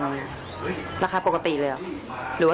เงินแปดหมื่น